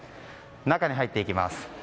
中に入っていきます。